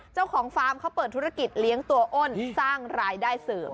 ฟาร์มเขาเปิดธุรกิจเลี้ยงตัวอ้นสร้างรายได้เสริม